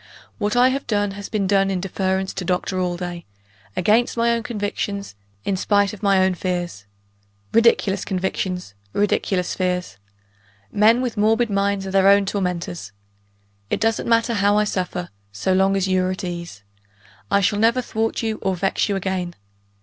What I have done, has been done in deference to Doctor Allday against my own convictions; in spite of my own fears. Ridiculous convictions! ridiculous fears! Men with morbid minds are their own tormentors. It doesn't matter how I suffer, so long as you are at ease. I shall never thwart you or vex you again.